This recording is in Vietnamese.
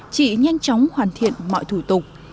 chị nhanh chóng hoàn thiện mọi thủ tục